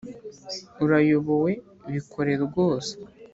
urayobowe bikore rwose